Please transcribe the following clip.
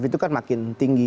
itu kan makin tinggi